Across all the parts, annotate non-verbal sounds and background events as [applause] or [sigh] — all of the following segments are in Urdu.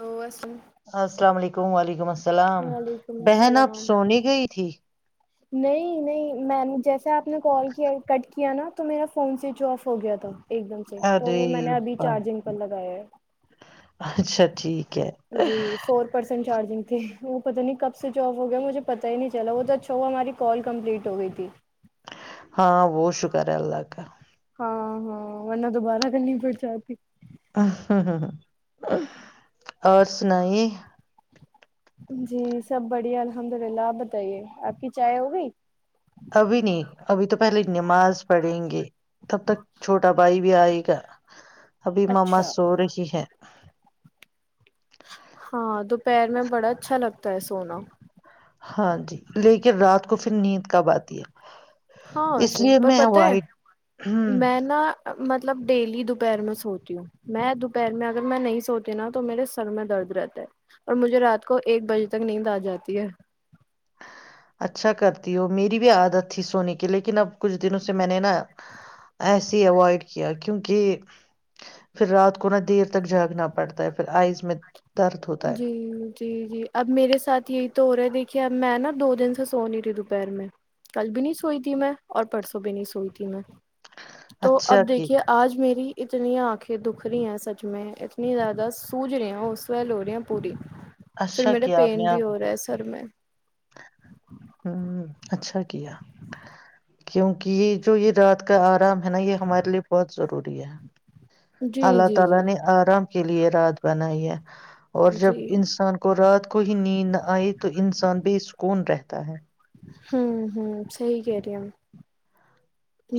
اورو السلام علیکم وعلیکم السلام وعلیکم بہن آپ السلام سونے گئی تھی۔ نہیں نہیں میں نے جیسے آپ۔ نے کال کیا کٹ کیا نا تو میرا فون سوئچ آف ہو گیا تھا۔ ایک دم سے تو ارے وہ میں نے ابھی واہ چارجنگ پر لگایا ہے۔ اچھا ٹھیک ہے۔ جی فور پرسینٹ چارجنگ تھی وہ پتا نہیں کب سویچاف ہو گیا مجھے پتا ہی نہیں چلا وہ تو اچھا ہوا ہماری کال کمپلیٹ ہو گئی تھی۔ ہاں وہ شکر ہے اللہ کا۔ ہاں ہاں ورنہ دوبارہ کرنی پڑھجاتی ہ ہ اور سنائی جی سب بڑھیا الحمد للہ آپ بتائیے آپ کی چائے ہوگی؟ ابھی نہیں ابھی تو پہلے نماز پڑھیں گے تب تک چھوٹا بھائی بھی آئے گا۔ ابھی ماما اچھا سو رہی ہے۔ ہاں دوپہر میں بڑا اچھا لگتا ہے سونا۔ سونا ہاں جی لیکن رات کو پھر نیند کب آتی ہے ہاں اس اسے لیے پر میں پت ہے اوائڈ ہوں میں نا مطلب ڈیلی دوپہر میں سوتی ہوں میں دوپہر میں اگر میں نہیں سوتی نا تو میرے سر میں درد رہتا ہے اور مجھے رات کو ایک بجے تک ند آ جاتی ہے اچھا کرتی ہو میری بھی عادت تھی سونے کی لیکن اب کچھ دنوں سے میں نے نا ایسے اوائڈ کیا کیونکہ پھر رات کو نہا دیر تک جھاگنا پڑتا ہے پھر آئس جی جی جی اب میرے ساتھ یہی تو ہو رہا ہے دیکھیے اب میں نا دو دن سے سونی رہی دوپہر میں کل بھی نہیں سوئی تھی میں اور پرسوں بھی نہیں سوئی تھی میں تو اچھا اب کی دیکھیے آج میری اتنی آنکھیں دکھ رہی ہیں سچ میں اتنی زیادہ سوج رہی ہیں وہ سویلل ہورہی ہیں پوری پھر اچھا میرے پین بھی ہو رہا ہے سر میں ہ اچھا کیا کیونکہ جو یہ رات کا آرام ہے نا یہ ہمارے لیے بہت ضروری ہے جی اللہ جی تعالا جی نے آرام کے لیے رات بنائی ہے اور جب جی انسان کو رات کو ہی نیند نہ آئی تو انسان بےسکون رہتا ہے ہوں ہوں صحی کہہ رہی ہم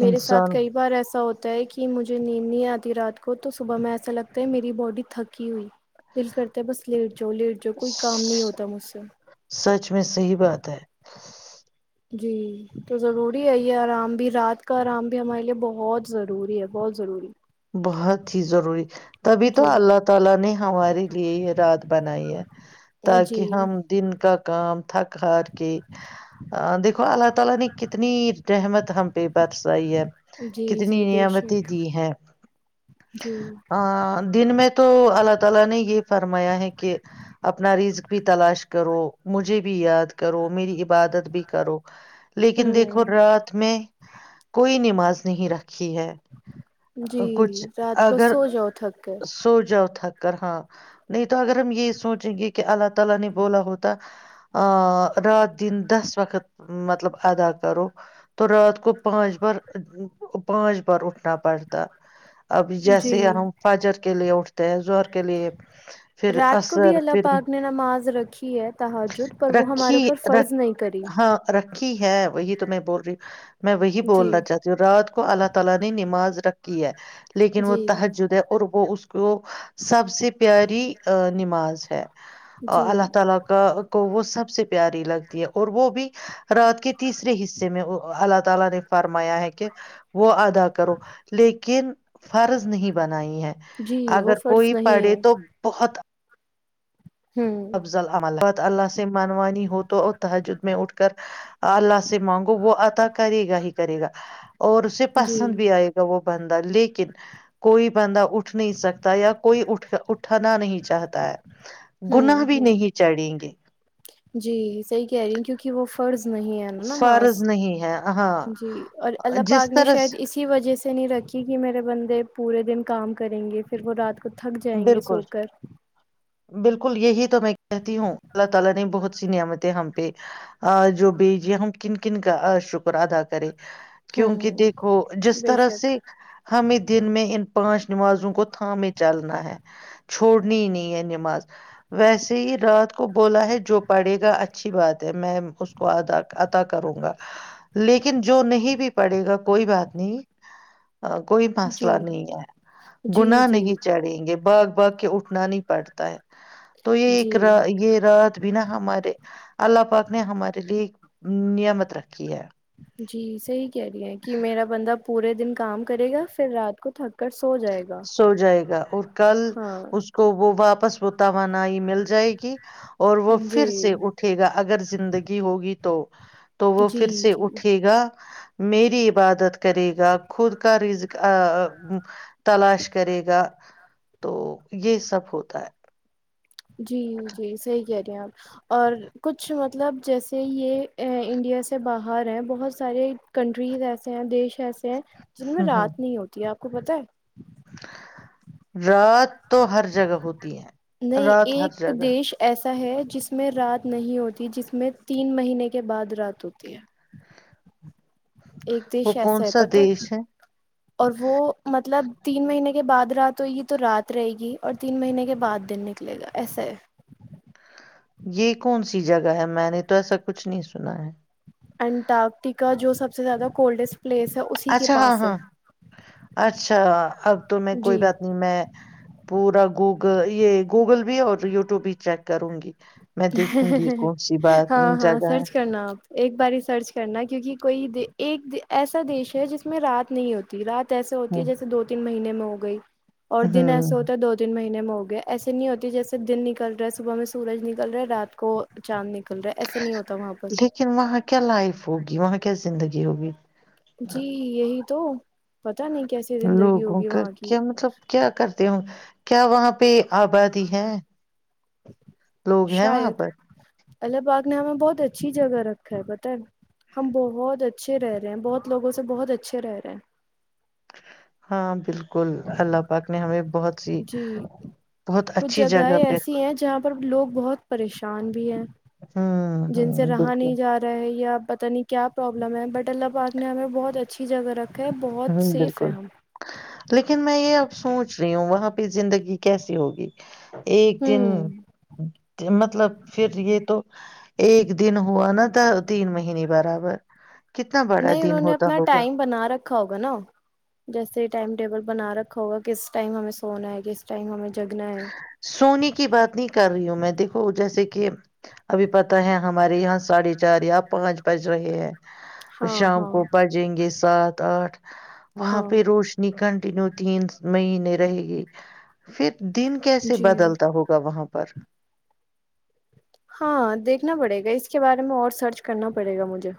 میرے ساتھ انسان کئی بار ایسا ہوتا ہے کہ مجھے نیند نہیں آتی رات کو تو صبح میں ایسا لگتا ہے میری باڈی تھکی ہوئی دل کرتے ہے بس لیٹ جو ل جو کوئی کام نہیں ہوتا مجھ سے سچ میں صحیح بات ہے جی تو ضروری ہے یہ آرام بھی رات کا آرام بھی ہمارے لیے بہت ضروری ہے بہت ضروری بہت ہی ضروری تبھی تو جی اللہ تعالا نے ہمارے لیے یہ رات بنائی ہے تاکہ ہم جی دن کا کا تھک ار کے دیکھو اللہ تعالا نے کتنی رحمت ہم بس آئی ہے جی کتنی جی بے نعمتی شک دی ہے جی ا دن میں تو اللہ تعالا نے یہ فرمایا ہے کہ اپنا رزک بھی تلاش کرو مجھے بھی یاد کرو میری عبادت بھی کرو لیکن ہوں دیکھو رات میں کوئی نماز نہیں رکھی ہے جی کچھ رات کو اگر سو جاؤ تھک کر سو جؤ تھک کر ہاں نہیں تو اگر ہم یہ سوچیں گے کہ اللہ تعالا نے بولا ہوتا رات دن دس وقت مطلب ادا کرو تو رات کو پانچ بار پانچ بار اٹھنا پڑتا اب جی جیسے یار فاجر کے لیے اٹھتے ہیں زور کے لیے پھر رات کو بھی اصر اللہ پھر پاک نے نماز رکھی ہے تحجد پر وہ ہمارے رکھی اوپر رکھ فرض نہیں کری ہاں رک ہے وہی تو میں بول رہی ہوں میں وہی جی بولنا چاہتی ہوں رات کو اللہ تعالا نے نماز کی ہے لیکن وہ جی تحجد ہے اور وہ اس کو سب سے پیاری نماز ہے جی اللہ تعالی کا تو وہ سب سے پیاری لگتی ہے اور وہ بھی رات کے تیسرے حصے میں اللہ تعالی نے فرمایا ہے کہ وہ ادا کرو لیکن فرض نہیں بن ہی ہے جی وہ اگر فرض کوئی نہیں پڑھے ہے تو بہت ہوں افضل عمل اللہ سے منوانی ہو تو اور تجد میں اٹھ کر اللہ سے مانگو وہ عطا کرے گا ہی کرے گا اور اسے جی پسند بھی آئے گا وہ بنند لیکن کوئی بند اٹھ اٹھ نہیں ستا یا کوئی اٹھ ھ اٹھانا نہیں چاہتا ہے گناہ ہوں بھی ہ نہیں چڑھیں گے جی صحی کہہ رہی ہ کیونکہ وہ فرض نہیں ہے نا نا ماس فرض نہیں ہے ہاں جی اور اللہ جس پاک نے طرح شاید سے اسی وجہ سے نہیں رکھی کہ میرے بندے پورے دن کام کریں گے پھر وہ رات تو تھک جائیں گے بالکل سو کر بالکل یہی تو میں کہتی ہوں اللہ تعالی نے بہت سی نعمتیں ہم پہ ا جو بھی یہ ہم کن کن کا شکرا ادا کریں کیونکہ ہوں دیکھو جس بے طرح شک سے ہمیں دن میں ان۔ پانچ نمازوں کو تھامے چل نا ہے چھوڑنی ہی نہیں ہے نماز ویسے ہی رات کو بولا ہے جو پڑھے گا اچھی بات ہے میں اس کو ادا عطا کروں گا لیکن جو نہیں بھی پڑھے گا کوئی بات نہیں آ کوئی جی مسلہ نہیں ہے جی گنا جی نہیں یہ باگ باگ کے اٹھنا نہیں پڑتا ہے تو یہ ایک جی رات یہ رات بھی نا ہمارے اللہ پاک نے ہمارے لیے نعمت رکھی ہے جی صحیح کہہ رہی ہے کہ میرا بندہ پورے دن کام کرے گا پھر رات کو تھک کر سو جائے گا سو جائے گا اور کل ہاں اس کو وہ واپس پس وہ توانائی مل جائے گی اور وہ پھر جی سے اٹھے گا اگر زندگی ہوگی تو تو وہ جی پھر سے جی اٹھے گا میری عبادت کرے گا خود کا رزق [inaudible] تلاش کرے گا تو یہ سب ہوتا ہے جی جی صحیح کہہ رہے ہیں آپ اور کچھ مطلب جیسے یہ انڈیا سے باہر ہیں بہت سارے کنٹریز ایسے ہیں دیش ایسے ہیں جن میں ہ ہ رات نہیں ہوتی آپ کو پتا ہے رات رات تو ہر جگہ ہوتی ہے نہیں رات ہر ایک جگہ دیش ایسا ہے جس میں رات نہیں ہوتی جس میں تین مہینے کے بعد رات ہوتی ہے ایک دیش وہ کون ایسا ہے سا پتا ہے دیش اور وہ مطلب تین مہینے کے کے بعد رات ہوئے گی تو رات رہے گی اور تین مہینے کے بعد دن نکلے گا ایسا ہے یہ کون سی جگہ ہے میں نے تو ایسا کچھ نہیں سنا ہے انٹارکٹیکا جو سب سے زیادہ کولڈسٹ پلیس ہے اسی کے اچھا ہاں پاس ہے ہاں اچھا اب تو میں کوئی جی بات نہیں میں پورا یہ گوگل بھی اور یوٹیوب بھی چیک کروں گی میں دیکھوں گی کون سی بات ہاں ہاں جگہ ہے سرچ کرنا آپ ایک بار سرچ کرنا کیونکہ کوئی ایک ایسا دیش ہے جس میں رات نہیں ہوتی رات ایسے ہوتی ہ ہے جیے دو تین مہینے ہو گئی اور دن ہوں ایسے ہوتا ہے دو دن مہینے ہو گیا ایسے نہیں ہوتی جیسے دن نکل رہا ہے صبح میں سورج نکل کل رہا ہے رات کو چاند نکل رہا ہے ایسے نہیں ہوتا وہاں پر لیکن وہاں کیا لائف ہوگی وہاں کیا زندگی ہوگی جی یہی تو پت نہیں کیسی زندگی لوگوں ہوگی کا وہاں کی کیا مطلب کیا کرتے ہوں کیا وہاں پہ آبادی ہے لوگ ہیں وہاں پر ال باغ نے ہمیں بہت اچھی جگہ رکھا ہے بت ہے ہم بہت اچھے رہ رہے ہیں بہت لوگوں سے بہت اچھے رہ رہے ہیں ہاں بالکل اللہ پاک نے ہمیں بہت سی جی بہت کچھ اچھی جگہ جگہیں پہ ایسی ہیں جہاں پر لوگ بہت پریشان پچان بھی ہے ہوں جن ہوں سے رہا بالکل نہیں جا رہا ہے یاب پتہ نہیں کیا پرابلم ہے بٹ اللہ پاک نے ہمیں بہت اچھا اھی جگہ رکھیں بہت ہوں سیف ہے بالکل ہم لیکن میں یہ اب سوچ رہی ہوں وہاں پہ زندگی کیسی ہوگی ایک دن ہوں مطلب پھر یہ تو ایک دن ہوا نا تھا تین مہینے برابر کتنا بڑا نہیں دن انہوں نے ہوتا اپنا ہوگا ٹائم بنا رکھا رکھا ہوگا نا جیسے ٹائم ٹیبل بنا رکھا ہوگا کس ٹائم ہمیں سونا ہے کس ٹائم ہمیں جگنا ہے سونی کی بات نہیں کر رہی ہوں میں دیکھو جیسے کہ ابھی پتہ ہے ہمارے یہاں ساڑھے چار یا پانچ بج رہے ہیں ہاں شام ہاں کو پجیں گے ساتھ س آٹھ وہاں ہاں پہ روشنی کنٹ یو تین مہینے رہے گی پھر دن کیسے جی بدلتا ہوگا وہاں پہ پر ہاں دیکھنا پڑے گا اس کے بارے میں اور سرچ کرنا پڑے گا مجھے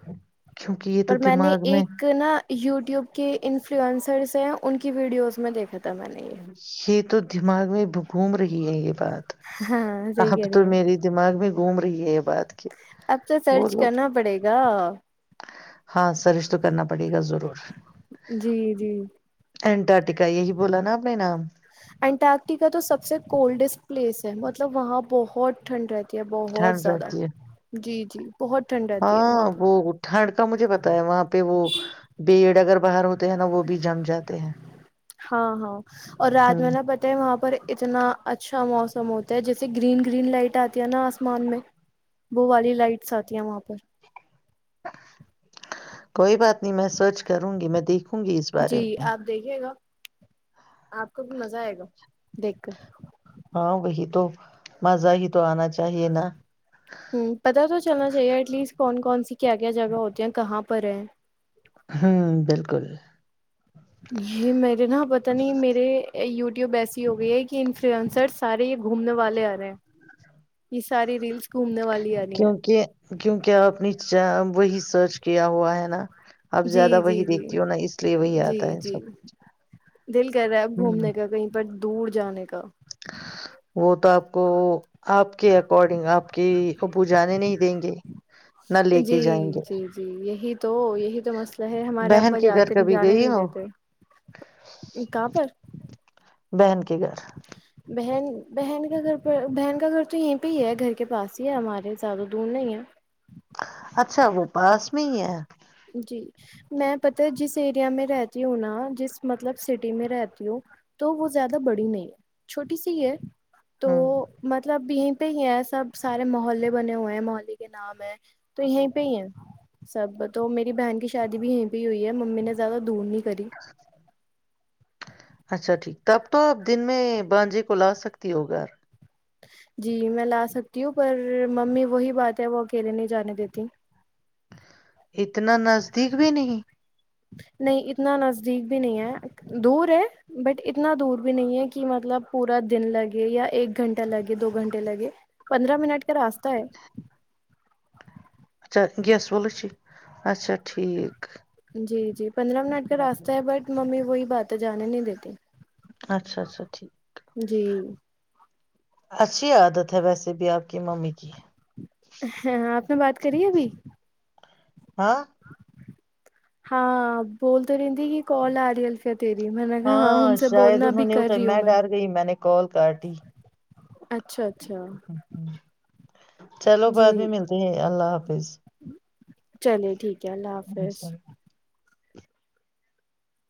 کیونکہ یہ تو پر میں نے دماغ ایک نا یوٹیوب کے انفلوئنسرس ہیں ان کی ویڈیوز میں دیکھا تھا میں نے یہ یہ تو دمغ میں ب گوم رہک ہے یہ بات ہاں صحیح اب کہہ تو رہی ہیں میرے دماغ میں گھوم رہی ہے بات کہ اب تو وہ سرچ لوگ کرنا پڑے گا ہاں سرش تو کرنا پڑے گا ضرور انٹر انینٹارکٹیکا تو سب سے کولڈسٹ پلیس ہے مطلب وہاں بہت ٹھنڈ رہتی ہے بہت ٹھنڈ زیادہ رہتی ہے جی جی بہت ٹھنڈ رہتی ہے ہاں وہاں پہ وہ ٹھنڈ کا مجھے پتا ہے وہاں پہ وہ بیڑ اگر باہر ہو ہاں ہاں اور ہ رات میں نا پت ہے وہاں پر اتنا اچھا اچھا موسم ہوتا ہے جیسے گرین گرین لائٹ آتی ہے نا آسمان میں وہ والی لائٹس آتی ہیں وہاں پر کوئی بات نہیں میں سوچ کروں گی میں دیکھوں ہوں گی اس بارے جی میں آپ دیکھیے گا آپ کو بھی مزہ آئے گا دیکھ کر ہاں وہی تو مزہ ہی تو آنا چاہیے نا ہوں پتا تو چلنا چاہیے ایٹسٹ کون کون سی کیا کیا جگہ ہوتی ہیں کہاں پر ہوں بالکل جی میرے نا پت نہیں میرے یو و ایسی ہو گئی ہے کہ انفلوئنسر سارے یہ گھومنے والے آ رہے ہیں یہ ساری ریلس گھومنے والے کیونکہ کیونکہ آ اپنی اچھا وہی سرچ کیا ہوا ہے نا آپ جی زیادہ جی وہی جی دیکھتی ہو نا اس لیے وہی جی آتا ہے جی سب دل کر رہا اب ہوں گھومنے کا کہیں پر دور جانے کا وہ تو آپ کو آپ کے اکارڈنگ آپ کی ابو جانے نہیں دیں گے نہ لے کے جی جائیں گے جی جی یہی تو یہی تو مسئلہ ہے ہمارے بہن ابا کے گھر جاتے کبھی جانے گئی نہیں ہو دیتے کہاں پر بہن کی کرھر بہن بہن کا گھر پہ بہن کا گھر تو یہیں پہ ہی ہے گھر کے پاس ہی ہے ہمارے زیادہ دور نہیں ہے اچھا وہ پاس میں ہی ہے جی میں پتا جس ایریا میں رہتی ہوں نا جس مطلب سٹی میں رہتی ہوں تو وہ زیادہ بڑی نہیں ہے چھوٹی سی ہے تو ہاں م مطلب یہیں پہ ہی ہے سب سارے محلے بنے ہوئے ہیں محلے کے نام ہے تو یہیں پہ ہی ہے سب تو میری بہن کی شادی بھی یہیں پہ ہوئی ہے ممی نے زیادہ دور نہیں [unintelligible] اچھا ٹھیک تب تو آپ دن میں بانجے کو لا سکتی ہو گھر جی میں لا سکتی ہوں پر ممی وہی بات ہے وہ اکیلے نہیں جانے دیتی اتنا نزدیک بھی نہیں نہیں اتنا نزدیک بھی نہیں ہے دور ہے بٹ اتنا دور بھی نہیں ہے کہ مطلب پورا دن لگے یا ایک گھنٹہ لگے دو گھنٹے لگے پندرہ منٹ راستہ ہے اچھا گیس والولےچ اچھا ٹھیک جی جی پندرہ منٹ کا راستہ ہے بٹ ممی وہی بات ہے جانے نہیں دیتی اچھا اچھا ٹھیک جی اچھی عادت ہے ویسے بھی آپ کی ممی کی ہاں آپ نے بات کری ابھی ہاں ہاں بول تو رندی کی کال آ رہی ہے الفیہ تیری میں نے کہا ہاں ان سے شاید بولنا بھی انہوں نے کر اٹھائی رہی ہوں میں ڈر گئی میں نے کال کارٹی اچھا اچھا ہمم چلو بعد جی بھی ملتے ہیں اللہ ہاف فض چلے ٹھیک ک اللہ حافظ